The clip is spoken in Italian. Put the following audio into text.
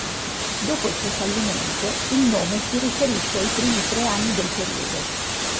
Dopo il suo fallimento, il nome si riferisce ai primi tre anni del periodo.